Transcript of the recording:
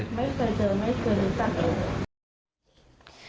ไม่เคยเจอไม่เคยรู้จักเลย